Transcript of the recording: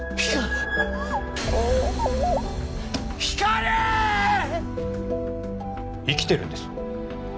光莉‼生きてるんです。